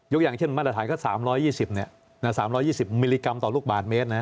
อย่างเช่นมาตรฐานก็๓๒๐๓๒๐มิลลิกรัมต่อลูกบาทเมตร